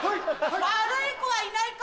「悪い子はいないか」